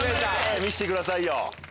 見してくださいよ！